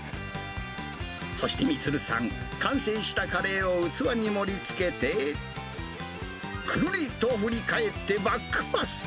そして充さん、完成したカレーを器に盛りつけて、くるりと振り返ってバックパス。